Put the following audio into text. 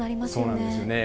そうなんですよね。